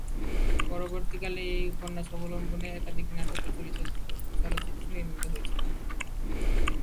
পরবর্তীকালে এই উপন্যাস অবলম্বনে একাধিক নাটক ও চলচ্চিত্র নির্মিত হয়েছিল।